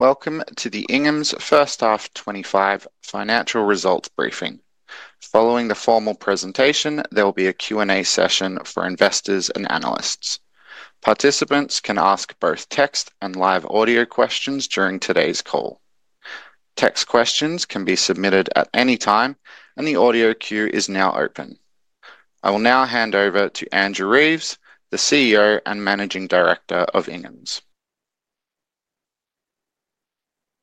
Welcome to the Ingham's first half 2025 financial results briefing. Following the formal presentation, there will be a Q&A session for investors and analysts. Participants can ask both text and live audio questions during today's call. Text questions can be submitted at any time, and the audio queue is now open. I will now hand over to Andrew Reeves, the CEO and Managing Director of Ingham's.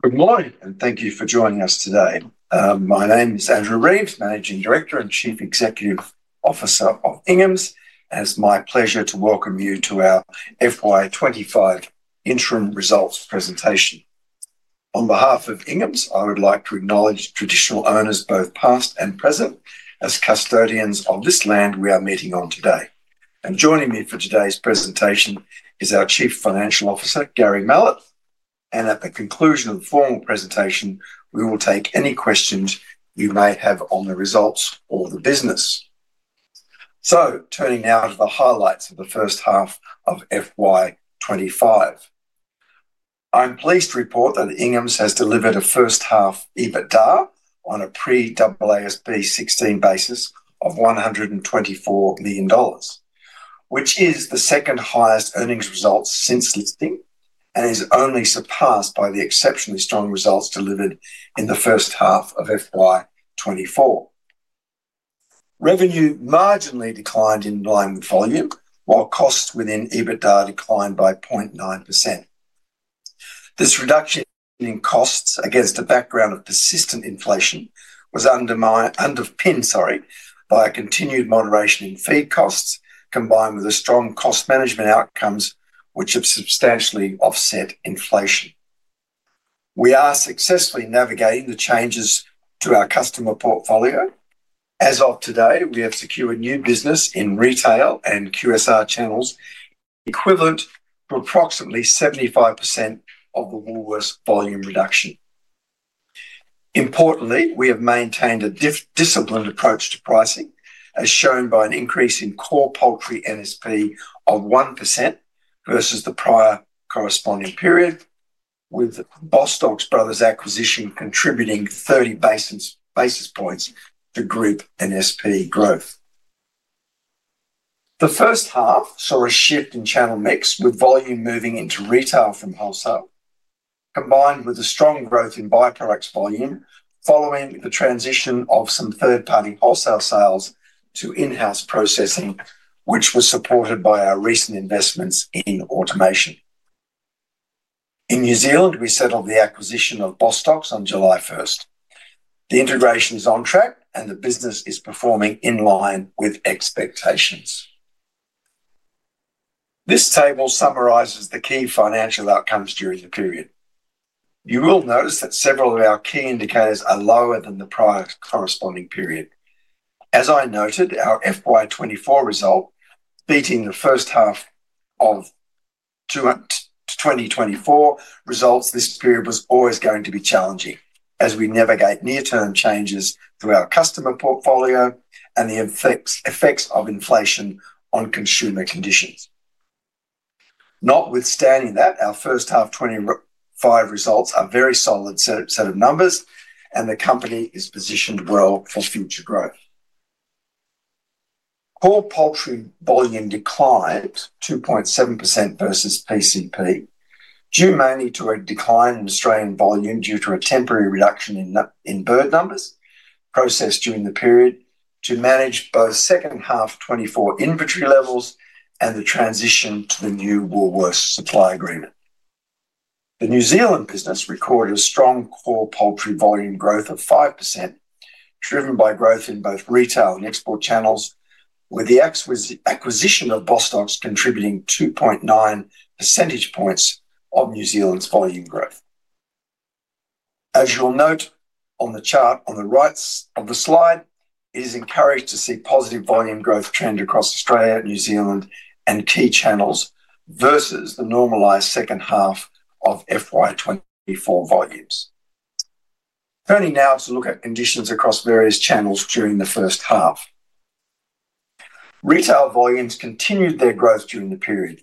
Good morning, and thank you for joining us today. My name is Andrew Reeves, Managing Director and Chief Executive Officer of Ingham's. It's my pleasure to welcome you to our FY 2025 interim results presentation. On behalf of Ingham's, I would like to acknowledge traditional owners, both past and present, as custodians of this land we are meeting on today, and joining me for today's presentation is our Chief Financial Officer, Gary Mallett, and at the conclusion of the formal presentation, we will take any questions you may have on the results or the business. Turning now to the highlights of the first half of FY 2025, I'm pleased to report that Ingham's has delivered a first half EBITDA on a pre-AASB 16 basis of 124 million dollars, which is the second highest earnings result since listing and is only surpassed by the exceptionally strong results delivered in the first half of FY 2024. Revenue marginally declined in line with volume, while costs within EBITDA declined by 0.9%. This reduction in costs against a background of persistent inflation was underpinned by a continued moderation in feed costs, combined with strong cost management outcomes, which have substantially offset inflation. We are successfully navigating the changes to our customer portfolio. As of today, we have secured new business in retail and QSR channels, equivalent to approximately 75% of the Woolworths volume reduction. Importantly, we have maintained a disciplined approach to pricing, as shown by an increase in core poultry NSP of 1% versus the prior corresponding period, with Bostock Brothers' acquisition contributing 30 basis points to group NSP growth. The first half saw a shift in channel mix, with volume moving into retail from wholesale, combined with a strong growth in byproducts volume following the transition of some third-party wholesale sales to in-house processing, which was supported by our recent investments in automation. In New Zealand, we settled the acquisition of Bostock on July 1st. The integration is on track, and the business is performing in line with expectations. This table summarizes the key financial outcomes during the period. You will notice that several of our key indicators are lower than the prior corresponding period. As I noted, our FY 2024 result beating the first half of 2024 results this period was always going to be challenging, as we navigate near-term changes through our customer portfolio and the effects of inflation on consumer conditions. Notwithstanding that, our first half 25 results are a very solid set of numbers, and the company is positioned well for future growth. Core poultry volume declined 2.7% versus PCP, due mainly to a decline in Australian volume due to a temporary reduction in bird numbers processed during the period, to manage both second half 24 inventory levels and the transition to the new Woolworths supply agreement. The New Zealand business recorded a strong core poultry volume growth of 5%, driven by growth in both retail and export channels, with the acquisition of Bostock contributing 2.9 percentage points of New Zealand's volume growth. As you'll note on the chart on the right of the slide, it's encouraging to see positive volume growth trend across Australia, New Zealand, and key channels versus the normalized second half of FY 2024 volumes. Turning now to look at conditions across various channels during the first half, retail volumes continued their growth during the period,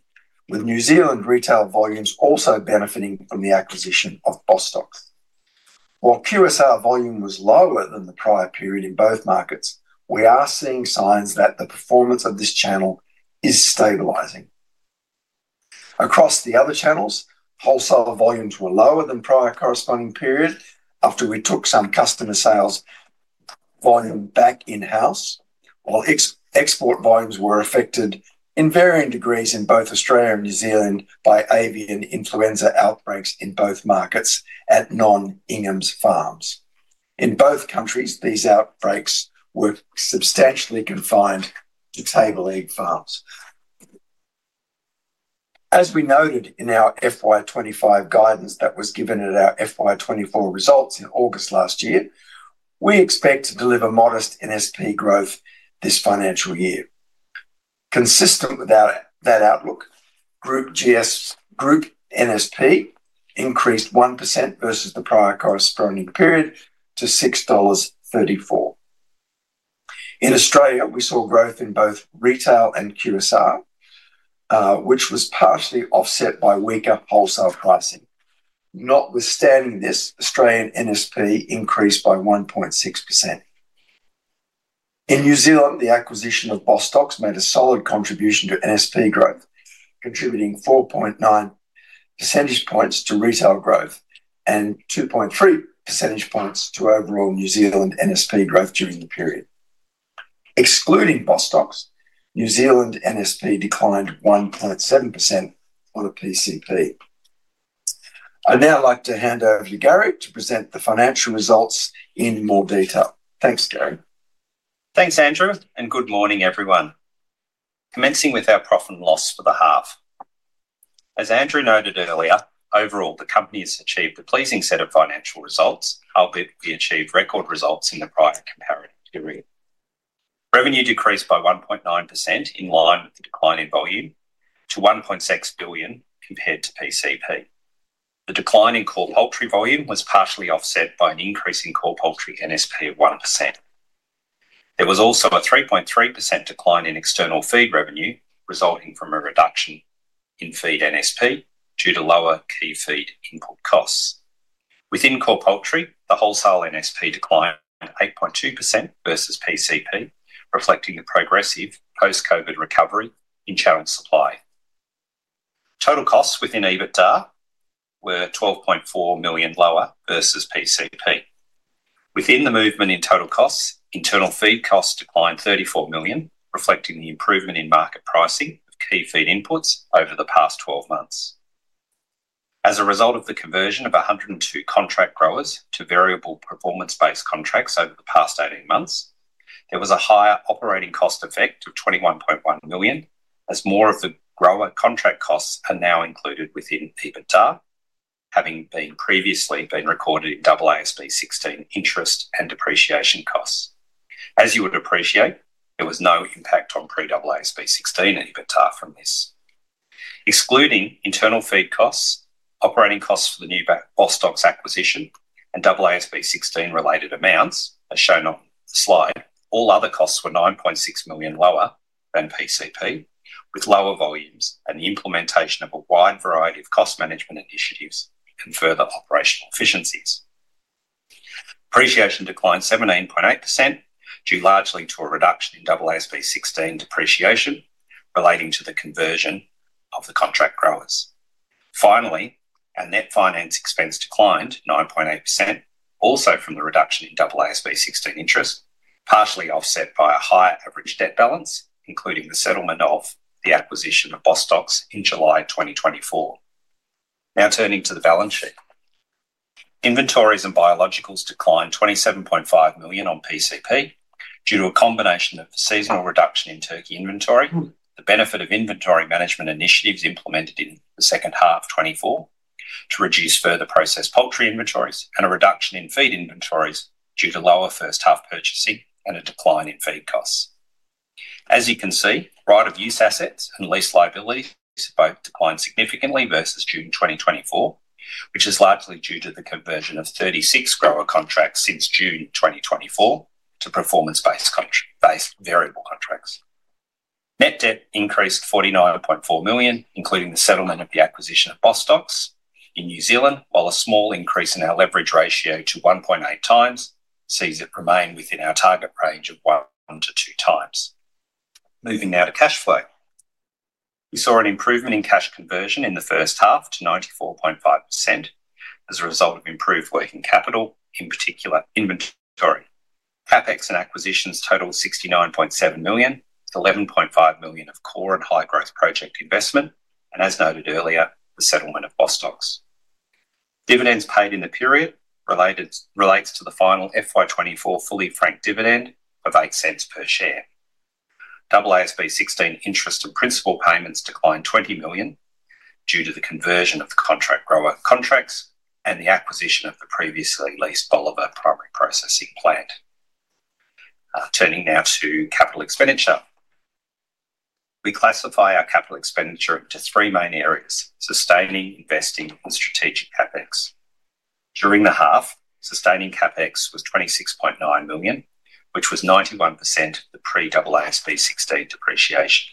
with New Zealand retail volumes also benefiting from the acquisition of Bostock. While QSR volume was lower than the prior period in both markets, we are seeing signs that the performance of this channel is stabilizing. Across the other channels, wholesale volumes were lower than prior corresponding period after we took some customer sales volume back in-house, while export volumes were affected in varying degrees in both Australia and New Zealand by avian influenza outbreaks in both markets at non-Ingham's farms. In both countries, these outbreaks were substantially confined to table egg farms. As we noted in our FY 2025 guidance that was given at our FY 2024 results in August last year, we expect to deliver modest NSP growth this financial year. Consistent with that outlook, Group NSP increased 1% versus the prior corresponding period to 6.34 dollars. In Australia, we saw growth in both retail and QSR, which was partially offset by weaker wholesale pricing. Notwithstanding this, Australian NSP increased by 1.6%. In New Zealand, the acquisition of Bostock made a solid contribution to NSP growth, contributing 4.9 percentage points to retail growth and 2.3 percentage points to overall New Zealand NSP growth during the period. Excluding Bostock, New Zealand NSP declined 1.7% on a PCP. I'd now like to hand over to Gary to present the financial results in more detail. Thanks, Gary. Thanks, Andrew, and good morning, everyone. Commencing with our profit and loss for the half. As Andrew noted earlier, overall, the company has achieved a pleasing set of financial results, albeit we achieved record results in the prior comparative period. Revenue decreased by 1.9% in line with the decline in volume to 1.6 billion compared to PCP. The decline in core poultry volume was partially offset by an increase in core poultry NSP of 1%. There was also a 3.3% decline in external feed revenue resulting from a reduction in feed NSP due to lower key feed input costs. Within core poultry, the wholesale NSP declined 8.2% versus PCP, reflecting the progressive post-COVID recovery in channel supply. Total costs within EBITDA were 12.4 million lower versus PCP. Within the movement in total costs, internal feed costs declined 34 million, reflecting the improvement in market pricing of key feed inputs over the past 12 months. As a result of the conversion of 102 contract growers to variable performance-based contracts over the past 18 months, there was a higher operating cost effect of 21.1 million, as more of the grower contract costs are now included within EBITDA, having previously been recorded in AASB 16 interest and depreciation costs. As you would appreciate, there was no impact on pre-AASB 16 and EBITDA from this. Excluding internal feed costs, operating costs for the new Bostock acquisition, and AASB 16 related amounts, as shown on the slide, all other costs were 9.6 million lower than PCP, with lower volumes and the implementation of a wide variety of cost management initiatives and further operational efficiencies. Depreciation declined 17.8%, due largely to a reduction in AASB 16 depreciation relating to the conversion of the contract growers. Finally, our net finance expense declined 9.8%, also from the reduction in AASB 16 interest, partially offset by a higher average debt balance, including the settlement of the acquisition of Bostock in July 2024. Now turning to the balance sheet, inventories and biologicals declined 27.5 million on PCP due to a combination of seasonal reduction in turkey inventory, the benefit of inventory management initiatives implemented in the second half 2024 to reduce further processed poultry inventories, and a reduction in feed inventories due to lower first half purchasing and a decline in feed costs. As you can see, right of use assets and lease liabilities both declined significantly versus June 2024, which is largely due to the conversion of 36 grower contracts since June 2024 to performance-based variable contracts. Net debt increased 49.4 million, including the settlement of the acquisition of Bostock in New Zealand, while a small increase in our leverage ratio to 1.8 times sees it remain within our target range of one to two times. Moving now to cash flow, we saw an improvement in cash conversion in the first half to 94.5% as a result of improved working capital, in particular inventory. CapEx and acquisitions total AUD 69.7 million, 11.5 million of core and high growth project investment, and as noted earlier, the settlement of Bostock. Dividends paid in the period relates to the final FY 2024 fully franked dividend of 0.08 per share. AASB 16 interest and principal payments declined 20 million due to the conversion of the contract grower contracts and the acquisition of the previously leased Bolivar primary processing plant. Turning now to capital expenditure, we classify our capital expenditure into three main areas: sustaining, investing, and strategic CapEx. During the half, sustaining CapEx was 26.9 million, which was 91% of the pre-AASB 16 depreciation.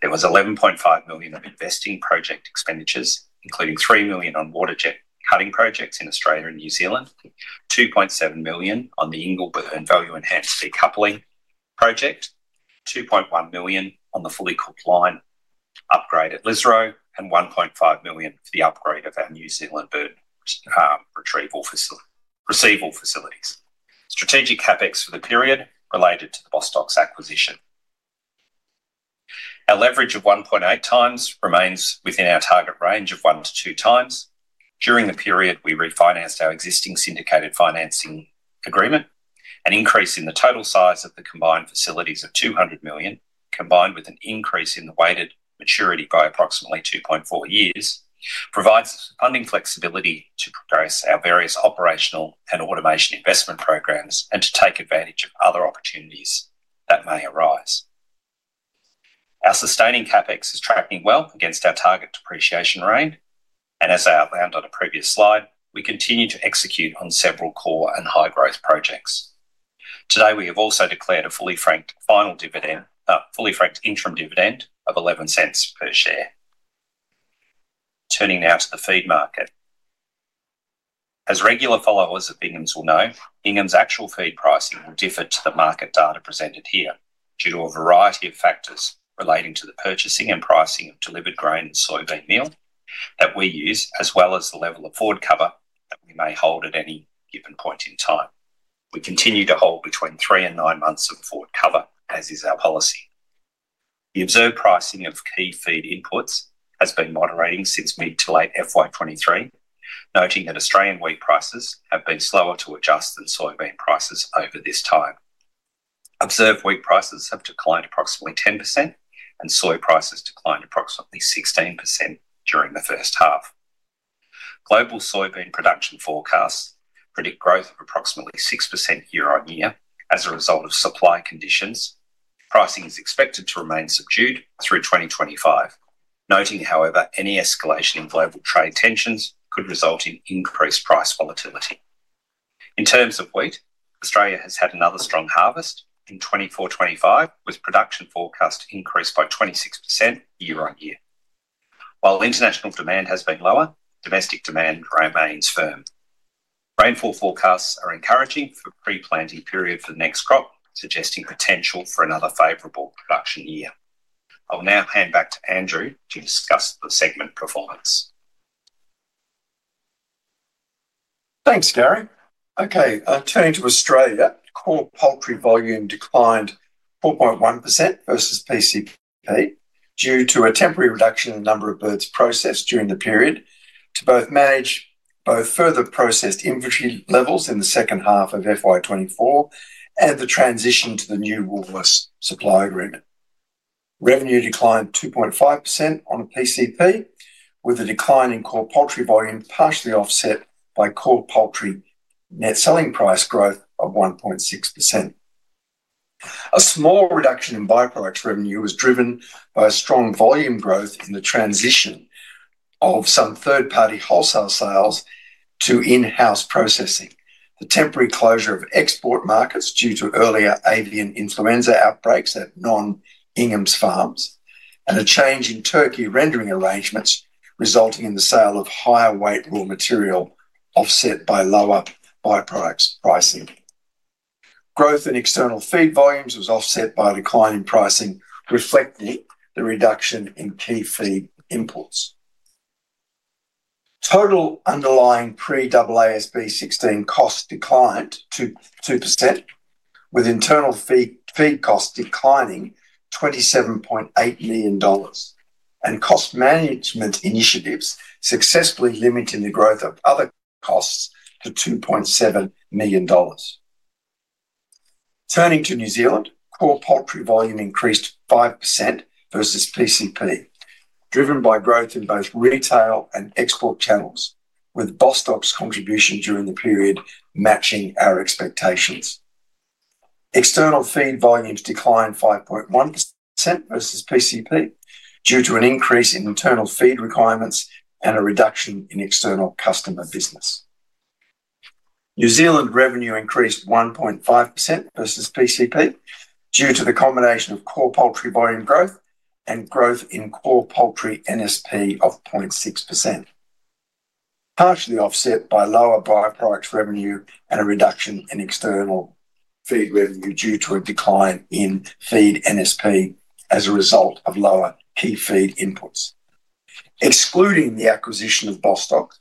There was 11.5 million of investing project expenditures, including 3 million on water jet cutting projects in Australia and New Zealand, 2.7 million on the Ingleburn value Enhanced Decoupling project, 2.1 million on the fully cooked line upgrade at Lisarow, and 1.5 million for the upgrade of our New Zealand bird retrieval facilities. Strategic CapEx for the period related to the Bostock acquisition. Our leverage of 1.8 times remains within our target range of 1-2 times. During the period, we refinanced our existing syndicated financing agreement. An increase in the total size of the combined facilities of 200 million, combined with an increase in the weighted maturity by approximately 2.4 years, provides funding flexibility to progress our various operational and automation investment programs and to take advantage of other opportunities that may arise. Our sustaining CapEx is tracking well against our target depreciation range, and as I outlined on a previous slide, we continue to execute on several core and high growth projects. Today, we have also declared a fully franked interim dividend of 0.11 per share. Turning now to the feed market. As regular followers of Ingham's will know, Ingham's actual feed pricing will differ to the market data presented here due to a variety of factors relating to the purchasing and pricing of delivered grain and soybean meal that we use, as well as the level of forward cover that we may hold at any given point in time. We continue to hold between three and nine months of forward cover, as is our policy. The observed pricing of key feed inputs has been moderating since mid to late FY 2023, noting that Australian wheat prices have been slower to adjust than soybean prices over this time. Observed wheat prices have declined approximately 10%, and soybean prices declined approximately 16% during the first half. Global soybean production forecasts predict growth of approximately 6% year-on-year as a result of supply conditions. Pricing is expected to remain subdued through 2025, noting, however, any escalation in global trade tensions could result in increased price volatility. In terms of wheat, Australia has had another strong harvest in 2024-25, with production forecasts increased by 26% year-on-year. While international demand has been lower, domestic demand remains firm. Rainfall forecasts are encouraging for the pre-planting period for the next crop, suggesting potential for another favorable production year. I will now hand back to Andrew to discuss the segment performance. Thanks, Gary. Okay, turning to Australia, core poultry volume declined 4.1% versus PCP due to a temporary reduction in the number of birds processed during the period to both manage further processed inventory levels in the second half of FY 2024 and the transition to the new Woolworths supply agreement. Revenue declined 2.5% on PCP, with a decline in core poultry volume partially offset by core poultry net selling price growth of 1.6%. A small reduction in byproducts revenue was driven by strong volume growth in the transition of some third-party wholesale sales to in-house processing, the temporary closure of export markets due to earlier avian influenza outbreaks at non-Ingham's farms, and a change in turkey rendering arrangements resulting in the sale of higher weight raw material offset by lower byproducts pricing. Growth in external feed volumes was offset by a decline in pricing, reflecting the reduction in key feed inputs. Total underlying pre-AASB 16 cost declined 2%, with internal feed costs declining AUD 27.8 million and cost management initiatives successfully limiting the growth of other costs to 2.7 million dollars. Turning to New Zealand, core poultry volume increased 5% versus PCP, driven by growth in both retail and export channels, with Bostock contribution during the period matching our expectations. External feed volumes declined 5.1% versus PCP due to an increase in internal feed requirements and a reduction in external customer business. New Zealand revenue increased 1.5% versus PCP due to the combination of core poultry volume growth and growth in core poultry NSP of 0.6%, partially offset by lower byproducts revenue and a reduction in external feed revenue due to a decline in feed NSP as a result of lower key feed inputs. Excluding the acquisition of Bostock,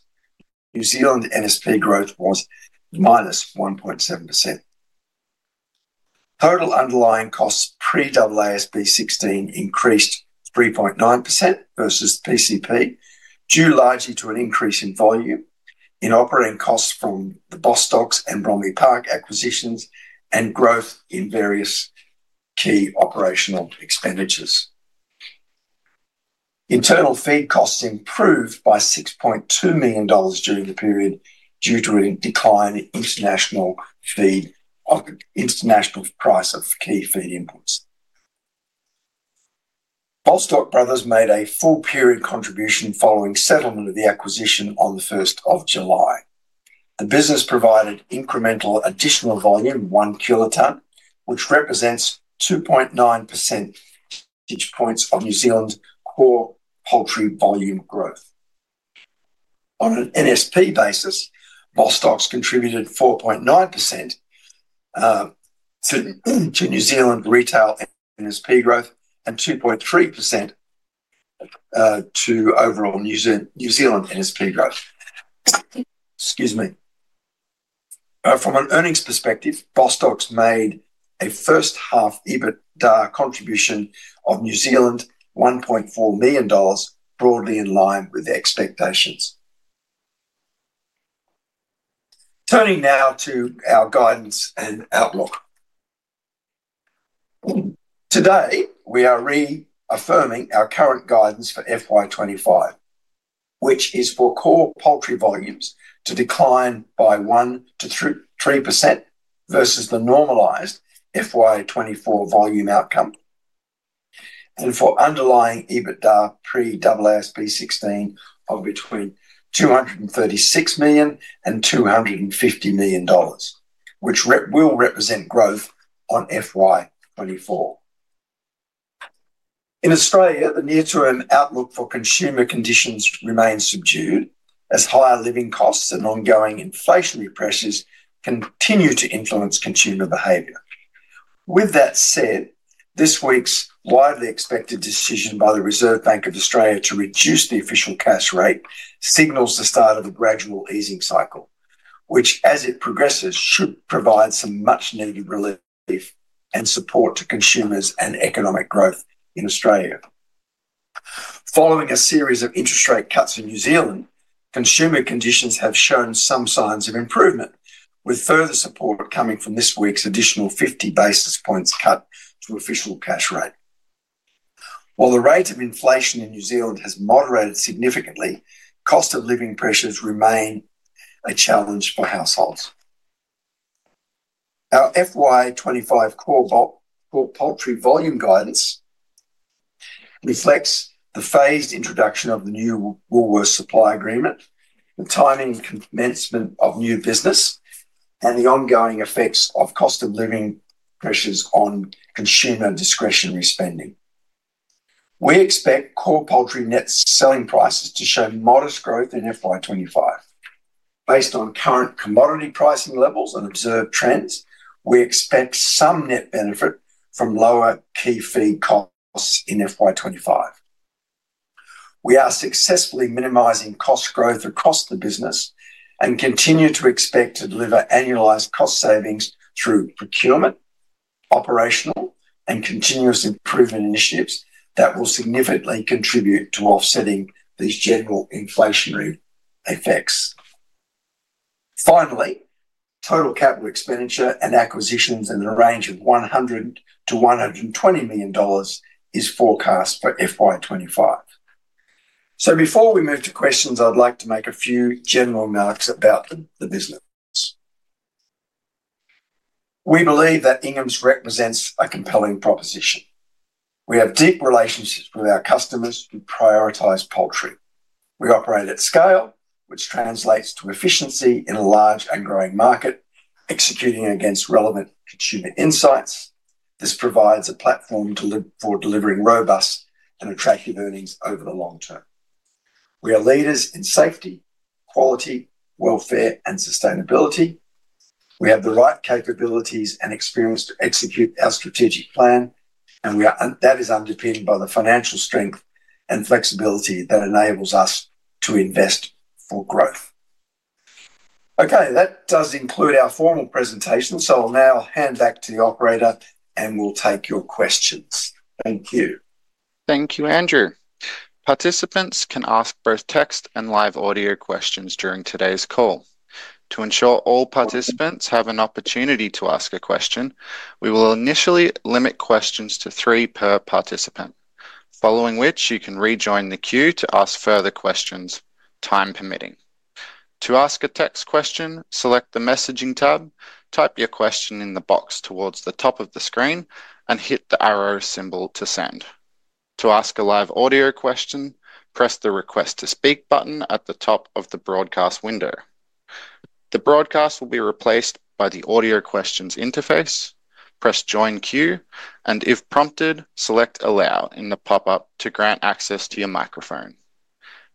New Zealand NSP growth was minus 1.7%. Total underlying costs pre-AASB 16 increased 3.9% versus PCP, due largely to an increase in volume, in operating costs from the Bostock and Bromley Park acquisitions, and growth in various key operational expenditures. Internal feed costs improved by 6.2 million dollars during the period due to a decline in the international price of key feed inputs. Bostock Brothers made a full period contribution following settlement of the acquisition on the 1st of July. The business provided incremental additional volume, one kiloton, which represents 2.9 percentage points of New Zealand core poultry volume growth. On an NSP basis, Bostock contributed 4.9% to New Zealand retail NSP growth and 2.3% to overall New Zealand NSP growth. Excuse me. From an earnings perspective, Bostock made a first half EBITDA contribution of 1.4 million New Zealand dollars, broadly in line with expectations. Turning now to our guidance and outlook. Today, we are reaffirming our current guidance for FY 2025, which is for core poultry volumes to decline by 1%-3% versus the normalized FY 2024 volume outcome, and for underlying EBITDA pre-AASB 16 of between 236 million and 250 million dollars, which will represent growth on FY 2024. In Australia, the near-term outlook for consumer conditions remains subdued, as higher living costs and ongoing inflationary pressures continue to influence consumer behavior. With that said, this week's widely expected decision by the Reserve Bank of Australia to reduce the Official Cash Rate signals the start of a gradual easing cycle, which, as it progresses, should provide some much-needed relief and support to consumers and economic growth in Australia. Following a series of interest rate cuts in New Zealand, consumer conditions have shown some signs of improvement, with further support coming from this week's additional 50 basis points cut to Official Cash Rate. While the rate of inflation in New Zealand has moderated significantly, cost of living pressures remain a challenge for households. Our FY 2025 core poultry volume guidance reflects the phased introduction of the new Woolworths supply agreement, the timing commencement of new business, and the ongoing effects of cost of living pressures on consumer discretionary spending. We expect core poultry net selling prices to show modest growth in FY 2025. Based on current commodity pricing levels and observed trends, we expect some net benefit from lower key feed costs in FY 2025. We are successfully minimizing cost growth across the business and continue to expect to deliver annualized cost savings through procurement, operational, and continuous improvement initiatives that will significantly contribute to offsetting these general inflationary effects. Finally, total capital expenditure and acquisitions in the range of 100 million-120 million dollars is forecast for FY 2025. So before we move to questions, I'd like to make a few general remarks about the business. We believe that Ingham's represents a compelling proposition. We have deep relationships with our customers who prioritize poultry. We operate at scale, which translates to efficiency in a large and growing market, executing against relevant consumer insights. This provides a platform for delivering robust and attractive earnings over the long term. We are leaders in safety, quality, welfare, and sustainability. We have the right capabilities and experience to execute our strategic plan, and that is underpinned by the financial strength and flexibility that enables us to invest for growth. Okay, that does include our formal presentation, so I'll now hand back to the operator, and we'll take your questions. Thank you. Thank you, Andrew. Participants can ask both text and live audio questions during today's call. To ensure all participants have an opportunity to ask a question, we will initially limit questions to three per participant, following which you can rejoin the queue to ask further questions, time permitting. To ask a text question, select the messaging tab, type your question in the box towards the top of the screen, and hit the arrow symbol to send. To ask a live audio question, press the request to speak button at the top of the broadcast window. The broadcast will be replaced by the audio questions interface. Press join queue, and if prompted, select allow in the pop-up to grant access to your microphone.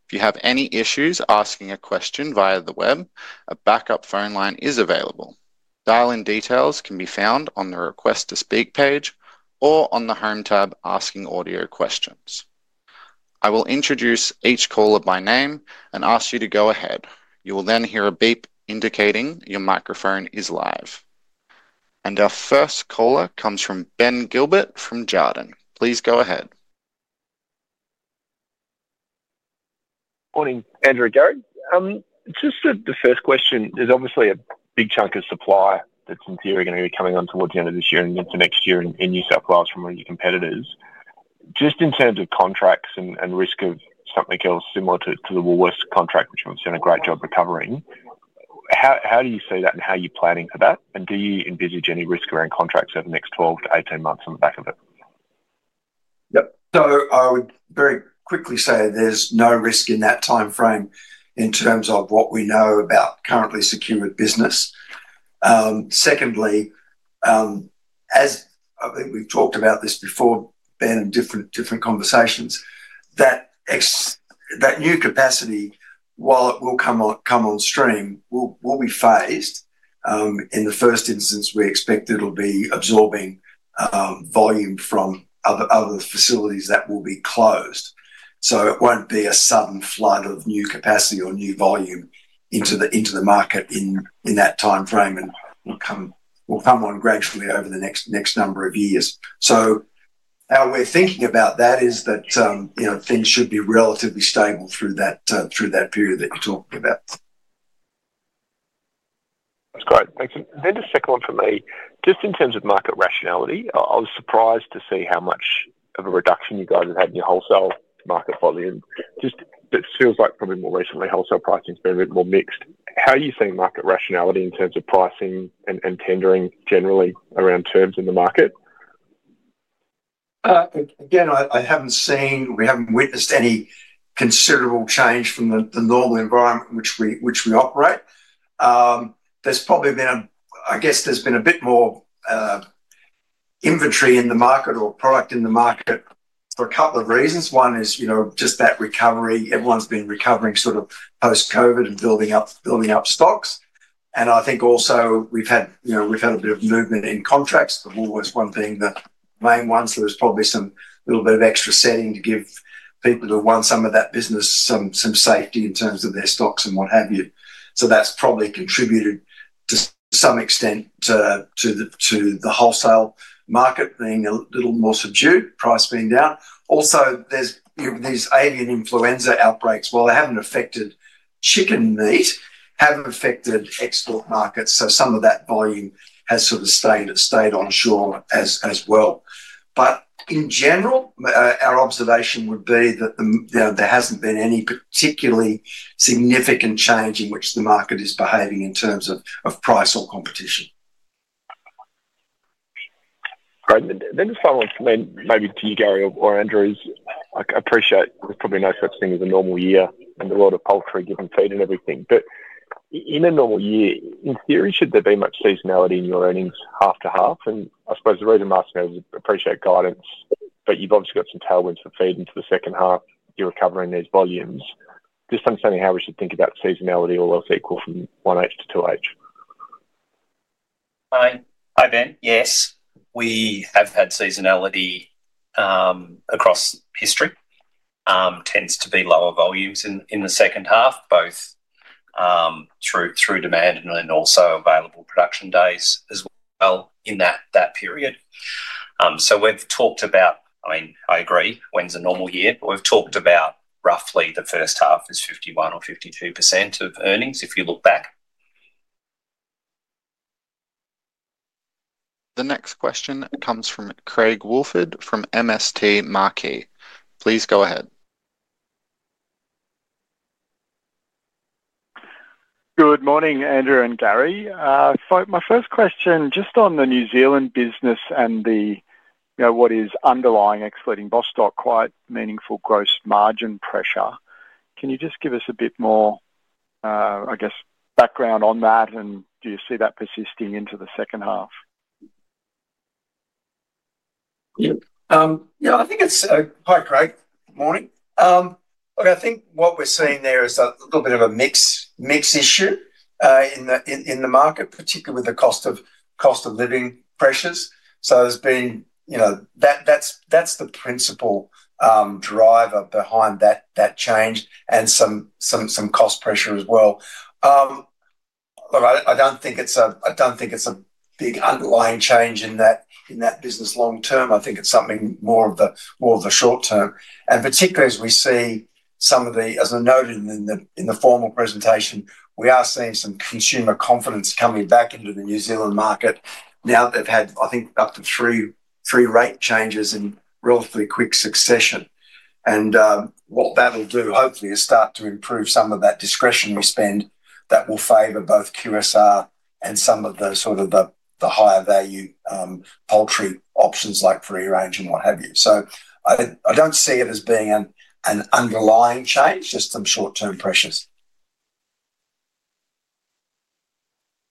If you have any issues asking a question via the web, a backup phone line is available. Dial-in details can be found on the request to speak page or on the home tab asking audio questions. I will introduce each caller by name and ask you to go ahead. You will then hear a beep indicating your microphone is live. And our first caller comes from Ben Gilbert from Jarden. Please go ahead. Morning, Andrew and Gary. Just the first question is obviously a big chunk of supply that's in theory going to be coming on towards the end of this year and into next year in New South Wales from one of your competitors. Just in terms of contracts and risk of something else similar to the Woolworths contract, which obviously done a great job recovering, how do you see that and how are you planning for that? And do you envisage any risk around contracts over the next 12-18 months on the back of it? Yep. So I would very quickly say there's no risk in that timeframe in terms of what we know about currently secured business. Secondly, as I think we've talked about this before, Ben, in different conversations, that new capacity, while it will come on stream, will be phased. In the first instance, we expect it'll be absorbing volume from other facilities that will be closed. So it won't be a sudden flood of new capacity or new volume into the market in that timeframe. And we'll come on gradually over the next number of years. So how we're thinking about that is that things should be relatively stable through that period that you're talking about. That's great. Thanks. Then just check one for me. Just in terms of market rationality, I was surprised to see how much of a reduction you guys have had in your wholesale market volume. Just, it feels like probably more recently wholesale pricing has been a bit more mixed. How are you seeing market rationality in terms of pricing and tendering generally around terms in the market? Again, I haven't seen or we haven't witnessed any considerable change from the normal environment in which we operate. There's probably been, I guess there's been a bit more inventory in the market or product in the market for a couple of reasons. One is just that recovery. Everyone's been recovering sort of post-COVID and building up stocks. And I think also we've had a bit of movement in contracts. The Woolworths one being the main one, so there's probably some little bit of extra setting to give people who want some of that business some safety in terms of their stocks and what have you. So that's probably contributed to some extent to the wholesale market being a little more subdued, price being down. Also, there's these avian influenza outbreaks. While they haven't affected chicken meat, they have affected export markets. So some of that volume has sort of stayed onshore as well. But in general, our observation would be that there hasn't been any particularly significant change in which the market is behaving in terms of price or competition. Great. Then just final for me, maybe to you, Gary, or Andrew, is I appreciate it's probably no such thing as a normal year and a lot of poultry given feed and everything. But in a normal year, in theory, should there be much seasonality in your earnings half to half? And I suppose the reason I'm asking is I appreciate guidance, but you've obviously got some tailwinds for feed into the second half. You're recovering these volumes. Just understanding how we should think about seasonality or else equal from 1H to 2H. Hi, Ben. Yes, we have had seasonality across history. Tends to be lower volumes in the second half, both through demand and then also available production days as well in that period. So we've talked about, I mean, I agree, when's a normal year, but we've talked about roughly the first half is 51% or 52% of earnings if you look back. The next question comes from Craig Woolford from MST Marquee. Please go ahead. Good morning, Andrew and Gary. So my first question, just on the New Zealand business and the underlying excluding Bostock, quite meaningful gross margin pressure. Can you just give us a bit more, I guess, background on that, and do you see that persisting into the second half? Yeah, I think it's quite great. Morning. Look, I think what we're seeing there is a little bit of a mixed issue in the market, particularly with the cost of living pressures. So, there's been. That's the principal driver behind that change and some cost pressure as well. Look, I don't think it's a big underlying change in that business long term. I think it's something more of the short term, and particularly as we see some of the, as I noted in the formal presentation, we are seeing some consumer confidence coming back into the New Zealand market now that they've had, I think, up to three rate changes in relatively quick succession. What that'll do hopefully is start to improve some of that discretionary spend that will favor both QSR and some of the sort of the higher value poultry options like free range and what have you. I don't see it as being an underlying change, just some short-term pressures.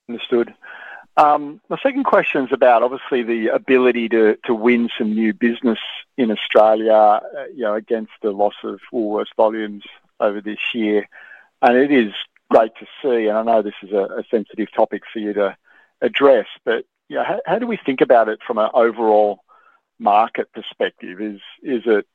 Understood. My second question is about obviously the ability to win some new business in Australia against the loss of Woolworths volumes over this year, and it is great to see, and I know this is a sensitive topic for you to address, but how do we think about it from an overall market perspective? Is it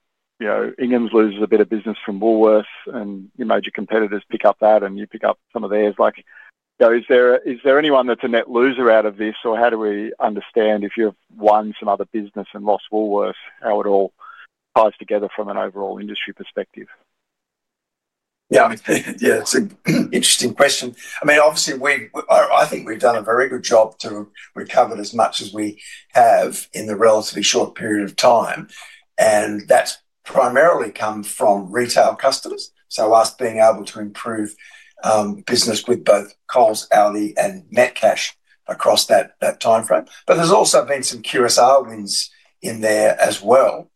Ingham's loses a bit of business from Woolworths and your major competitors pick up that and you pick up some of theirs? Is there anyone that's a net loser out of this, or how do we understand if you've won some other business and lost Woolworths, how it all ties together from an overall industry perspective? Yeah, I mean, yeah, it's an interesting question. I mean, obviously, I think we've done a very good job to recover as much as we have in the relatively short period of time. And that's primarily come from retail customers. So us being able to improve business with both Coles, Aldi, and Metcash across that timeframe. But there's also been some QSR wins in there as well,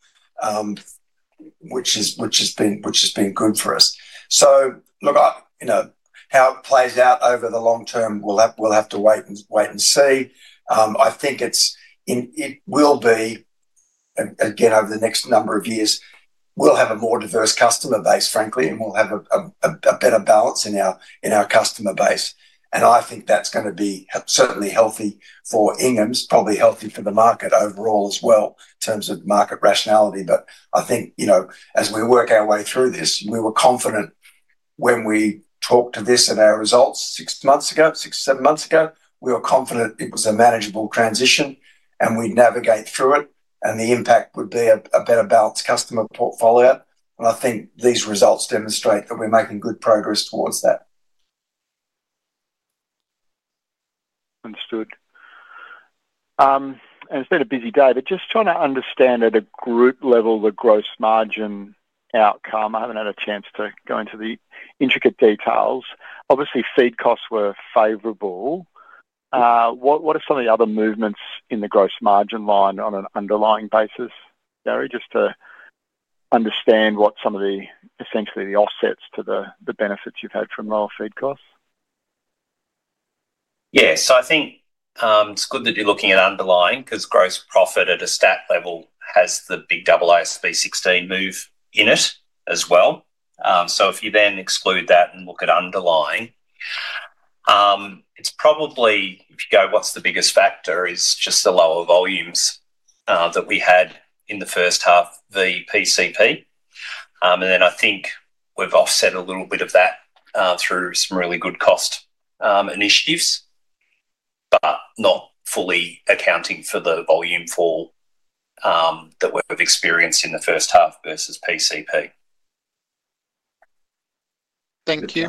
which has been good for us. So look, how it plays out over the long term, we'll have to wait and see. I think it will be, again, over the next number of years, we'll have a more diverse customer base, frankly, and we'll have a better balance in our customer base. And I think that's going to be certainly healthy for Ingham's, probably healthy for the market overall as well in terms of market rationality. But I think as we work our way through this, we were confident when we talked to this at our results six months ago, six, seven months ago. We were confident it was a manageable transition and we'd navigate through it and the impact would be a better balanced customer portfolio. And I think these results demonstrate that we're making good progress towards that. Understood, and it's been a busy day, but just trying to understand at a group level the gross margin outcome. I haven't had a chance to go into the intricate details. Obviously, feed costs were favorable. What are some of the other movements in the gross margin line on an underlying basis, Gary, just to understand what some of the essentially the offsets to the benefits you've had from raw feed costs? Yeah, so I think it's good that you're looking at underlying because gross profit at a stat level has the big AASB 16 move in it as well. So if you then exclude that and look at underlying, it's probably, if you go, what's the biggest factor is just the lower volumes that we had in the first half, the PCP. And then I think we've offset a little bit of that through some really good cost initiatives, but not fully accounting for the volume fall that we've experienced in the first half versus PCP. Thank you.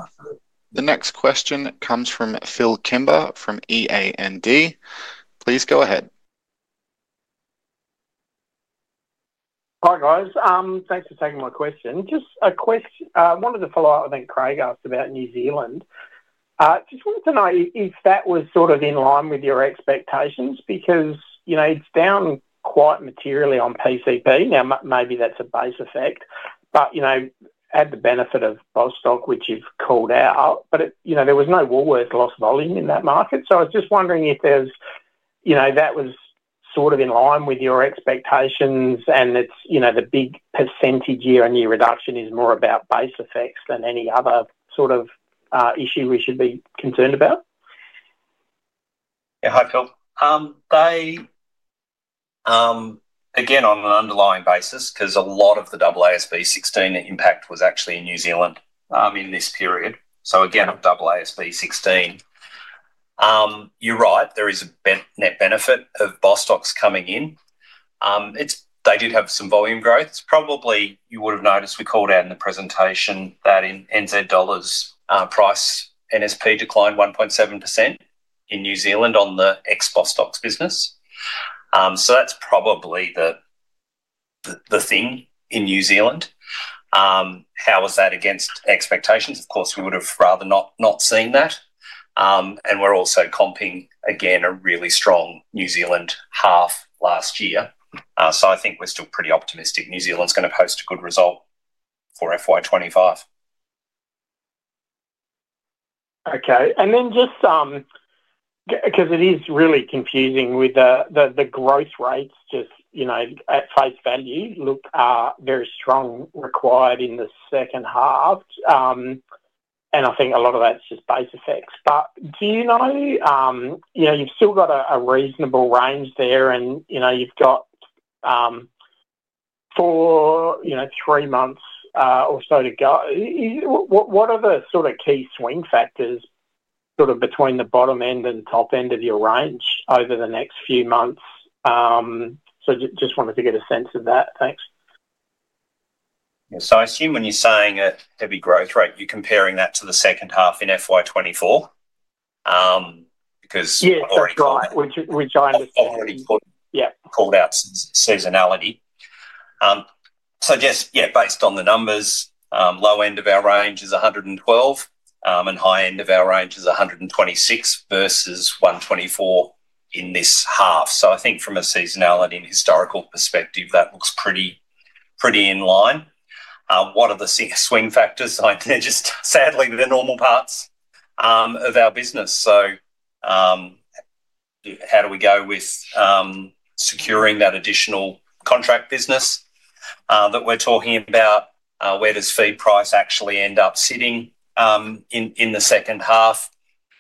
The next question comes from Phil Kimber from E&P. Please go ahead. Hi guys. Thanks for taking my question. Just a question, I wanted to follow up on what Craig asked about New Zealand. Just wanted to know if that was sort of in line with your expectations because it's down quite materially on PCP. Now, maybe that's a base effect, but had the benefit of Bostock, which you've called out, but there was no Woolworths loss volume in that market. So I was just wondering if that was sort of in line with your expectations and the big percentage year-on-year reduction is more about base effects than any other sort of issue we should be concerned about? Yeah, hi Phil. Again, on an underlying basis, because a lot of the AASB 16 impact was actually in New Zealand in this period. So again, AASB 16. You're right. There is a net benefit of Bostock's coming in. They did have some volume growth. It's probably, you would have noticed we called out in the presentation that in NZ dollars, price NSP declined 1.7% in New Zealand on the ex-Bostock's business. So that's probably the thing in New Zealand. How was that against expectations? Of course, we would have rather not seen that, and we're also comping, again, a really strong New Zealand half last year. So I think we're still pretty optimistic. New Zealand's going to post a good result for FY 2025. Okay. And then just because it is really confusing with the growth rates just at face value, look, are very strong required in the second half. And I think a lot of that's just base effects. But do you know, you've still got a reasonable range there and you've got four, three months or so to go? What are the sort of key swing factors sort of between the bottom end and top end of your range over the next few months? So just wanted to get a sense of that. Thanks. Yeah. So I assume when you're saying a heavy growth rate, you're comparing that to the second half in FY 2024 because we've already got. Yeah, which I understand. We've already called out seasonality. So just, yeah, based on the numbers, low end of our range is 112 and high end of our range is 126 versus 124 in this half. So I think from a seasonality and historical perspective, that looks pretty in line. What are the swing factors? They're just sadly the normal parts of our business. So how do we go with securing that additional contract business that we're talking about? Where does feed price actually end up sitting in the second half?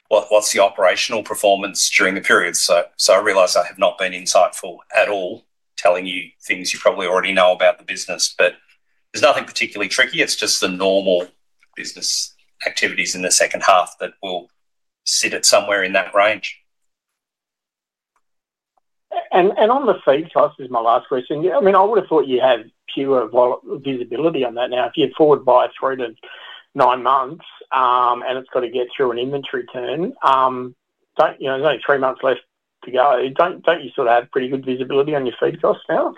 What's the operational performance during the period? So I realize I have not been insightful at all telling you things you probably already know about the business, but there's nothing particularly tricky. It's just the normal business activities in the second half that will sit at somewhere in that range. On the feed cost is my last question. I mean, I would have thought you had fewer visibility on that. Now, if you forward buy through to nine months and it's got to get through an inventory turn, only three months left to go, don't you sort of have pretty good visibility on your feed costs now?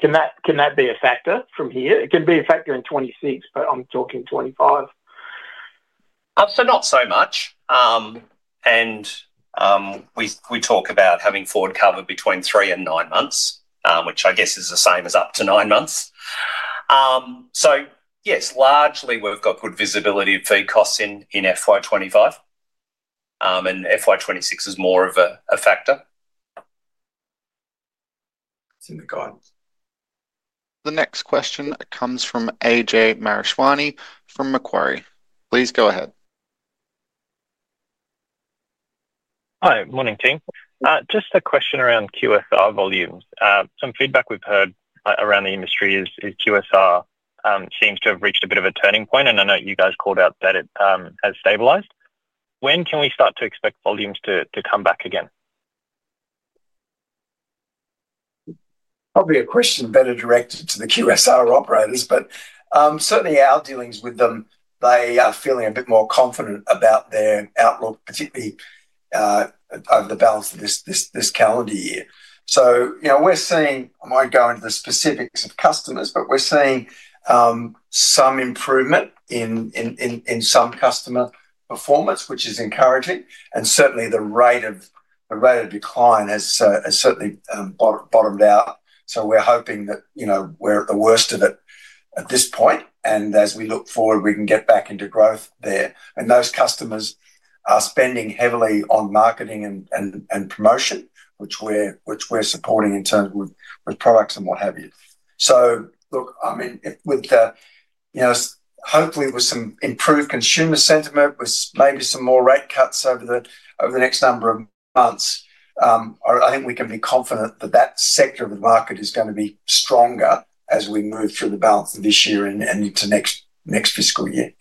Can that be a factor from here? It can be a factor in 2026, but I'm talking 2025. So not so much. And we talk about having forward cover between three and nine months, which I guess is the same as up to nine months. So yes, largely we've got good visibility of feed costs in FY 2025. And FY 2026 is more of a factor. It's in the guide. The next question comes from A.J. Mahtani from Macquarie. Please go ahead. Hi, morning, team. Just a question around QSR volumes. Some feedback we've heard around the industry is QSR seems to have reached a bit of a turning point, and I know you guys called out that it has stabilized. When can we start to expect volumes to come back again? Probably a question better directed to the QSR operators, but certainly our dealings with them, they are feeling a bit more confident about their outlook, particularly over the balance of this calendar year. So we're seeing, I might go into the specifics of customers, but we're seeing some improvement in some customer performance, which is encouraging. And certainly the rate of decline has certainly bottomed out. So we're hoping that we're at the worst of it at this point. And as we look forward, we can get back into growth there. And those customers are spending heavily on marketing and promotion, which we're supporting in terms of products and what have you. So look, I mean, hopefully with some improved consumer sentiment, with maybe some more rate cuts over the next number of months, I think we can be confident that that sector of the market is going to be stronger as we move through the balance of this year and into next fiscal year.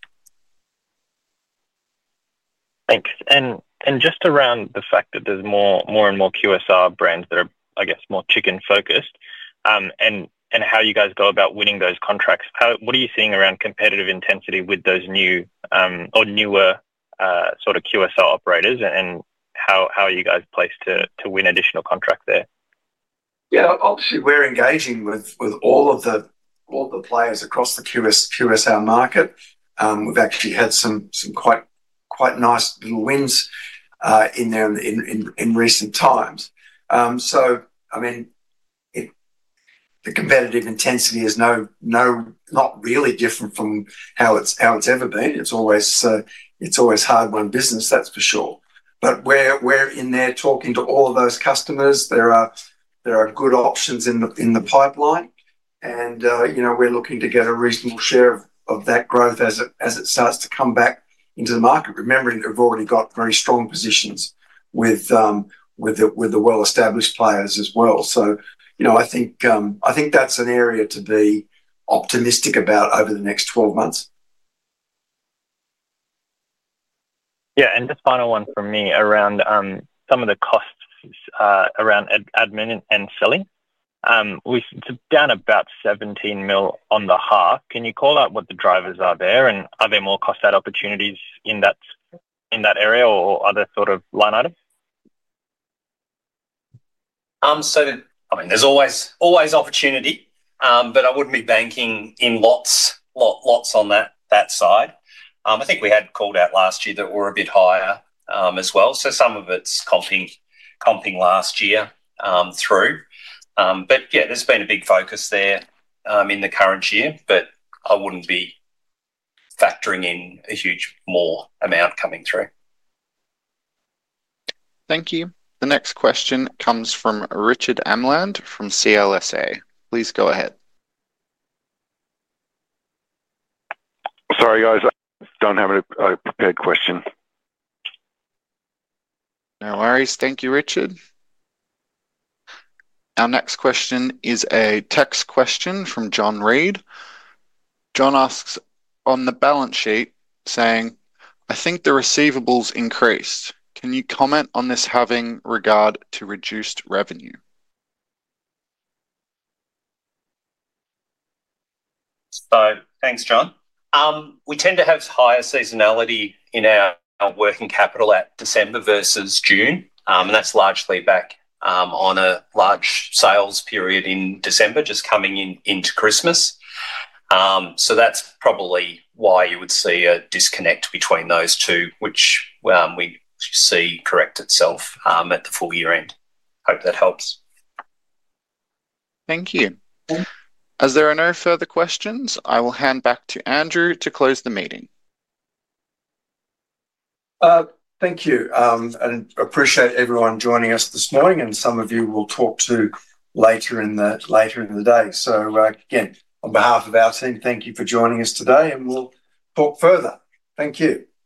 Thanks. And just around the fact that there's more and more QSR brands that are, I guess, more chicken-focused and how you guys go about winning those contracts, what are you seeing around competitive intensity with those new or newer sort of QSR operators and how are you guys placed to win additional contract there? Yeah, obviously we're engaging with all of the players across the QSR market. We've actually had some quite nice little wins in there in recent times, so I mean, the competitive intensity is not really different from how it's ever been. It's always hard-won business, that's for sure, but we're in there talking to all of those customers. There are good options in the pipeline, and we're looking to get a reasonable share of that growth as it starts to come back into the market, remembering that we've already got very strong positions with the well-established players as well, so I think that's an area to be optimistic about over the next 12 months. Yeah. And just final one from me around some of the costs around admin and selling. It's down about 17 million on the half. Can you call out what the drivers are there? And are there more cost-add opportunities in that area or other sort of line items? So I mean, there's always opportunity, but I wouldn't be banking in lots on that side. I think we had called out last year that we're a bit higher as well. So some of it's comping last year through. But yeah, there's been a big focus there in the current year, but I wouldn't be factoring in a huge more amount coming through. Thank you. The next question comes from Richard Amlot from CLSA. Please go ahead. Sorry, guys. I don't have a prepared question. No worries. Thank you, Richard. Our next question is a text question from John Reed. John asks on the balance sheet saying, "I think the receivables increased. Can you comment on this having regard to reduced revenue? So thanks, John. We tend to have higher seasonality in our working capital at December versus June. And that's largely back on a large sales period in December, just coming into Christmas. So that's probably why you would see a disconnect between those two, which we see correct itself at the full year end. Hope that helps. Thank you. As there are no further questions, I will hand back to Andrew to close the meeting. Thank you, and appreciate everyone joining us this morning, and some of you we'll talk to later in the day, so again, on behalf of our team, thank you for joining us today, and we'll talk further. Thank you.